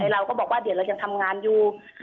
เราก็บอกว่าเดี๋ยวเรายังทำงานอยู่